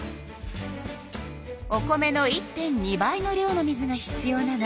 お米の１．２倍の量の水が必要なの。